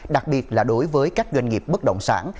đặc biệt là đối với các doanh nghiệp bất động sản